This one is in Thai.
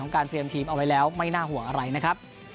การเตรียมทีมเอาไว้แล้วไม่น่าห่วงอะไรนะครับ